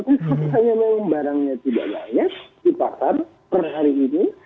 tapi saya mengunggah barangnya tidak layak di pasar per hari ini